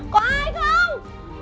có ai không